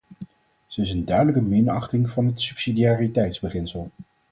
Ze is een duidelijke minachting van het subsidiariteitsbeginsel.